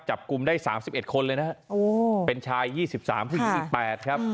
จับกลุ่มได้สามสิบเอ็ดคนเลยนะโอ้เป็นชายยี่สิบสามผู้หญิงยี่สิบแปดครับ